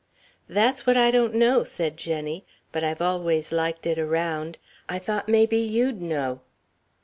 "That's what I don't know," said Jenny, "but I've always liked it around. I thought maybe you'd know."